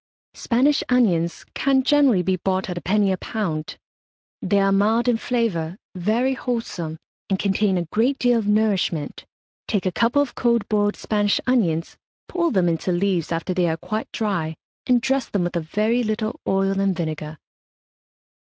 Spanish onions can generally be bought at a penny a pound. They are mild in flavour, very wholesome, and contain a great deal of nourishment. Take a couple of cold boiled Spanish onions, pull them into leaves after they are quite dry, and dress them with a very little oil and vinegar.